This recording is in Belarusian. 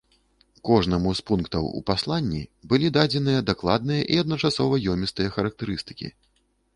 Кожнаму з пунктаў у пасланні былі дадзеныя дакладныя і адначасова ёмістыя характарыстыкі.